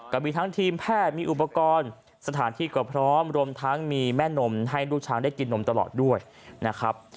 ก็มีทั้งทีมแพทย์มีอุปกรณ์สถานที่ก็พร้อมรวมทั้งมีแม่นมให้ลูกช้างได้กินนมตลอดด้วยนะครับ